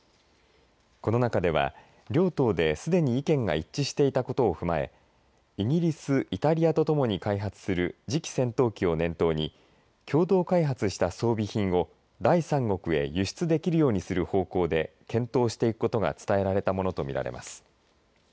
この中では両党ですでに意見が一致していたことを踏まえイギリス、イタリアと共に開発する次期戦闘機を念頭に共同開発した装備品を第三国へ輸出できるようにする方向で検討していくことが伝えられたものと見られます。